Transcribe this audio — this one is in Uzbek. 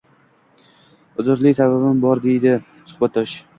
Uzrli sababim bor-deydi suhbatdosh